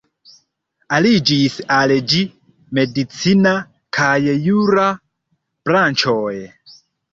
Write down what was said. Aliĝis al ĝi medicina kaj jura branĉoj.